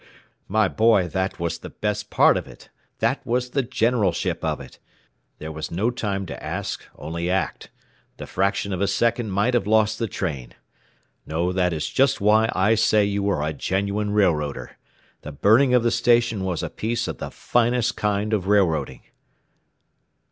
"My boy, that was the best part of it. That was the generalship of it. There was no time to ask, only act. The fraction of a second might have lost the train. "No; that is just why I say you are a genuine railroader the burning of the station was a piece of the finest kind of railroading!